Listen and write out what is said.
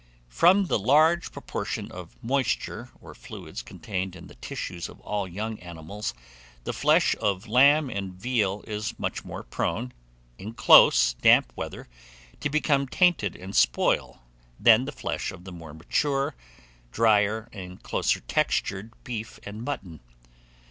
FROM THE LARGE PROPORTION OF MOISTURE OR FLUIDS contained in the tissues of all young animals, the flesh of lamb and veal is much more prone, in close, damp weather, to become tainted and spoil than the flesh of the more mature, drier, and closer textured beef and mutton.